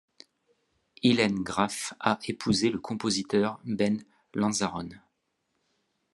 Ilene Graff a épousé le compositeur Ben Lanzarone.